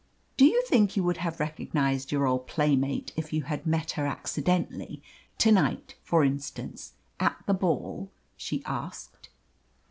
"Do you think you would have recognised your old playmate if you had met her accidentally to night, for instance, at the ball?" she asked.